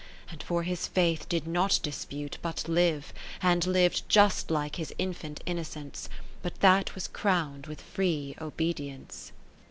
And for his faith did not dispute, but live. And liv'd just like his infant inno cence. But that was crown'd with free obedience.